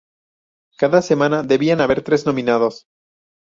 Cada semana debían haber tres nominados.